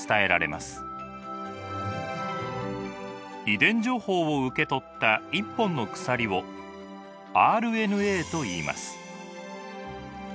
遺伝情報を受け取った１本の鎖をＲＮＡといいます。